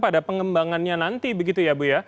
pada pengembangannya nanti begitu ya bu ya